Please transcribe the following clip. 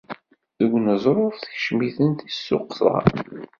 Deg uneẓruf, tekcem-iten tissuqḍa.